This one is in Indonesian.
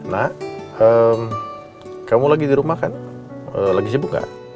nak kamu lagi di rumah kan lagi sibuk gak